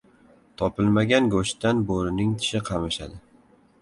• Topilmagan go‘shtdan bo‘rining tishi qamashadi.